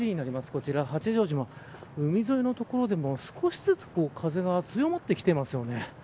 こちら八丈島海沿いの所でも少しずつ風が強まってきていますよね。